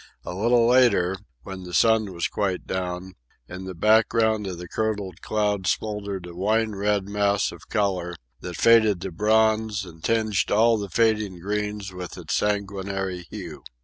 A little later, when the sun was quite down, in the background of the curdled clouds smouldered a wine red mass of colour, that faded to bronze and tinged all the fading greens with its sanguinary hue.